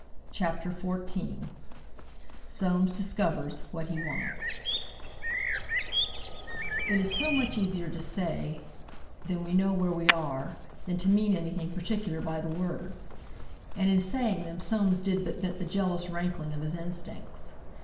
CHAPTER XIV SOAMES DISCOVERS WHAT HE WANTS It is so much easier to say, "Then we know where we are," than to mean anything particular by the words. And in saying them Soames did but vent the jealous rankling of his instincts.